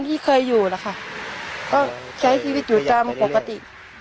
ที่เคยอยู่นะคะก็ใช้ชีวิตอยู่ตามปกติ